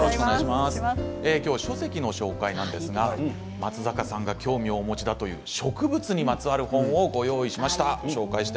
今日は書籍の紹介なんですが松坂さんが興味をお持ちだという植物にまつわる本をご用意しました。